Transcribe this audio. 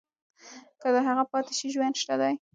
که هغه پاتې شي ژوند شته.